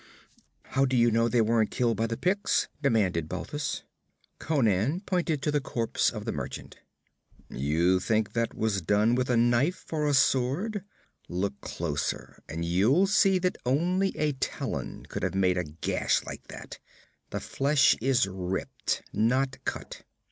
'How do you know they weren't killed by the Picts?' demanded Balthus. Conan pointed to the corpse of the merchant. 'You think that was done with a knife or a sword? Look closer and you'll see that only a talon could have made a gash like that. The flesh is ripped, not cut.'